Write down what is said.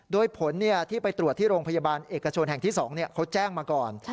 โดยผลที่ไปตรวจที่โรงพยาบาลเอกชนแห่งที่๒เขาแจ้งมาก่อน